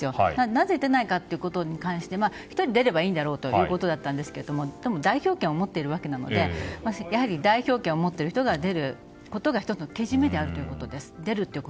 なぜ出ないのかということに関してひとえに出ればいいということだと思うんですけど代表権を持っているわけなので代表権を持っていることが１つのけじめであるということです。